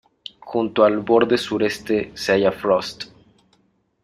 Junto al borde sureste se halla Frost.